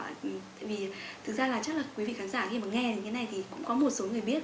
tại vì thực ra là chắc là quý vị khán giả khi mà nghe những cái này thì cũng có một số người biết